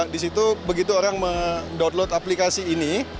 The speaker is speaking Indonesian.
disitu begitu orang mendownload aplikasi ini